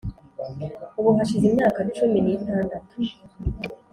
Ubu hashize imyaka cumi n itandatu